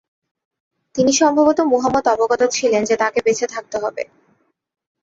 তিনি সম্ভবত মুহাম্মদ অবগত ছিলেন যে তাকে বেঁচে থাকতে হবে।